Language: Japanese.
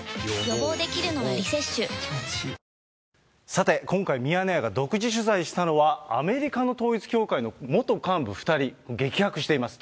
さて、今回、ミヤネ屋が独自取材したのは、アメリカの統一教会の元幹部２人、激白しています。